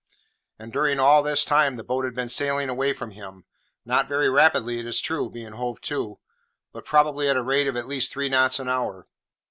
And during all this time the boat had been sailing away from him, not very rapidly it is true, being hove to, but probably at a rate of at least three knots an hour.